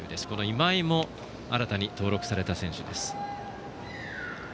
今井も新たに登録された選手です。